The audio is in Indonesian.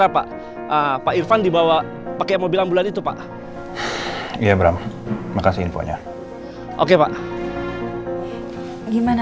papa aku mohon papa bertahan ya papa